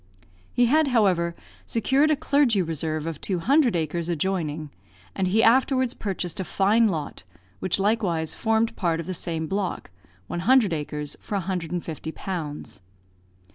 He had, however, secured a clergy reserve of two hundred acres adjoining; and he afterwards purchased a fine lot, which likewise formed part of the same block, one hundred acres, for 150 pounds.